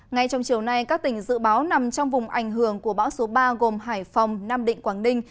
ngay trong chiều nay các tỉnh dự báo nằm trong vùng ảnh hưởng của bão số ba gồm hải phòng nam định quảng ninh